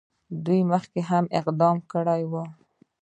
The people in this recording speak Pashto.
دوی مخکې هم اقدام کړی وو.